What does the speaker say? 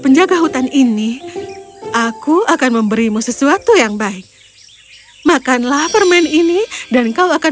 penjaga hutan ini aku akan memberimu sesuatu yang baik makanlah permen ini dan kau akan